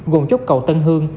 gồm chốt cầu tân hương